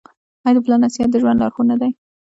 آیا د پلار نصیحت د ژوند لارښود نه دی؟